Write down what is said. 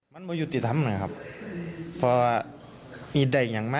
แล้วผู้เป็นน่องหลายคนมันกระบวดไอ้ใส่น้ำ